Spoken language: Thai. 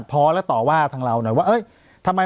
ปากกับภาคภูมิ